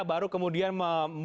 baru kemudian membuat satu kata